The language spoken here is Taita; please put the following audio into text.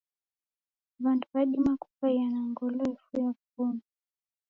Wandu wadima kukaia na ngolo yefuya wughoma.